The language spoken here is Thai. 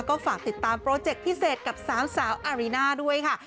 ก็ฝากติดตามโปรเจคพิเศษกับ๓สาวอารีน่าด้วยค่ะ